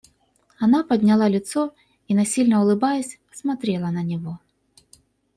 Она подняла лицо и, насильно улыбаясь, смотрела на него.